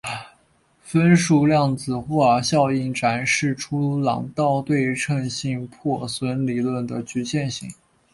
分数量子霍尔效应展示出朗道对称性破缺理论的局限性。